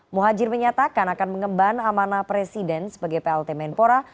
muhajir menyatakan akan mengemban amanah presiden sebagai plt menpora